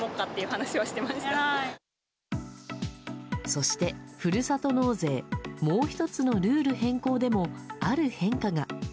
そして、ふるさと納税もう１つのルール変更でもある変化が。